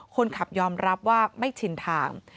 คนขับยอมรับว่าไม่ชินทาง